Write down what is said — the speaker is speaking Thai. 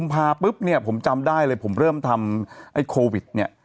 เพราะว่าจำได้เลยปีที่แล้วเนี่ย